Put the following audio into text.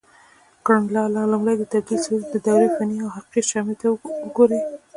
کړنلاره: لومړی د تبدیل سویچ د دورې فني او حقیقي شمې وګورئ.